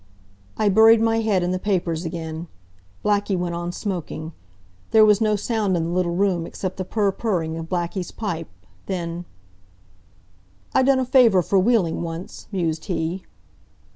I buried my head in the papers again. Blackie went on smoking. There was no sound in the little room except the purr purring of Blackie's pipe. Then: "I done a favor for Wheeling once," mused he.